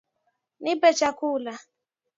Nipe chakula